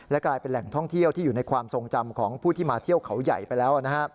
กลายเป็นแหล่งท่องเที่ยวที่อยู่ในความทรงจำของผู้ที่มาเที่ยวเขาใหญ่ไปแล้ว